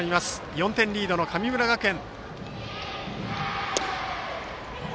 ４点リードの神村学園。